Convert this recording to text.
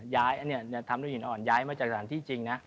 เนี่ยทำด้วยหินอ่อนย้ายมาจากสถานที่จริงนะ